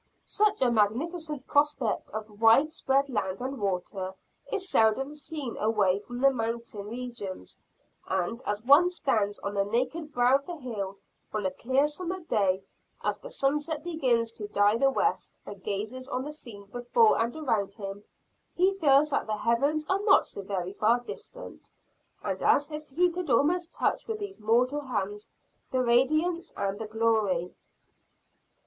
Such a magnificent prospect of widespread land and water is seldom seen away from the mountain regions; and, as one stands on the naked brow of the hill, on a clear summer day, as the sunset begins to dye the west, and gazes on the scene before and around him, he feels that the heavens are not so very far distant, and as if he could almost touch with these mortal hands the radiance and the glory.